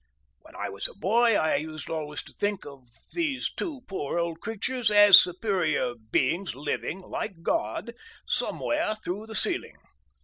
When I was a boy I used always to think of these two poor old creatures as superior beings living, like God, somewhere through the ceiling.